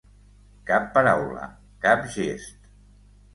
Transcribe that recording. Cap paraula, cap gest.